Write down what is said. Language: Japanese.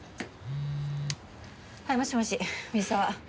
はいもしもし水沢。